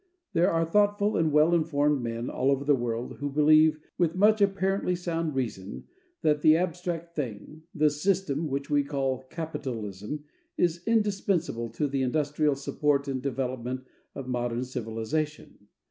There are thoughtful and well informed men all over the world who believe, with much apparently sound reason, that the abstract thing, the system, which we call capitalism, is indispensable to the industrial support and development of modern civilization.